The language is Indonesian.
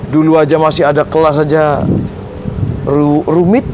dulu aja masih ada kelas saja rumit